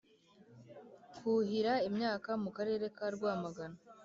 kuhira imyaka mu Karere ka Rwamagana